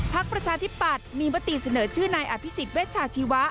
ภักดิ์ประชาธิบัติมีปฏิเสนอชื่อนายอภิษฐ์เวชชาชีวะ